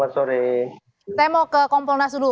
saya mau ke kompolnas dulu